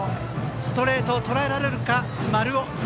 ストレートをとらえられるか丸尾。